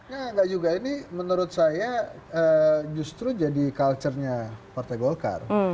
enggak juga ini menurut saya justru jadi culture nya partai golkar